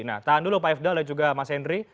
nah tahan dulu pak ifdal dan juga mas henry